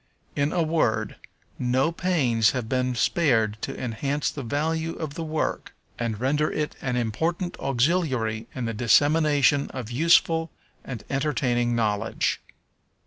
In a word, no pains have been spared to enhance the value of the work, and render it an important auxiliary in the dissemination of useful and entertaining knowledge.